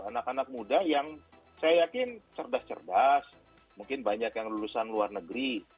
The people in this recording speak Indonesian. anak anak muda yang saya yakin cerdas cerdas mungkin banyak yang lulusan luar negeri